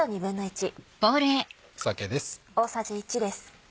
酒です。